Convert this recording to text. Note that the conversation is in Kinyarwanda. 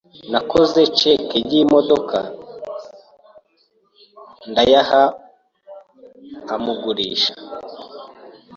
Nakoze cheque y'amadorari ndayaha umugurisha.